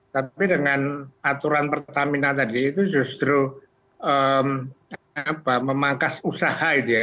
tapi dengan aturan pertamina tadi itu justru memangkas usaha itu ya